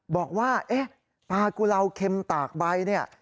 บอกว่าปลากุราวเข็มตากใบเนี่ย